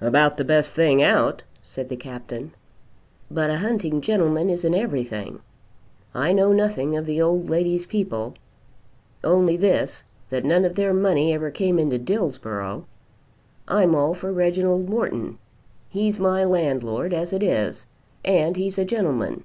"About the best thing out," said the Captain. "But a hunting gentleman isn't everything. I know nothing of the old lady's people, only this that none of their money ever came into Dillsborough. I'm all for Reginald Morton. He's my landlord as it is, and he's a gentleman."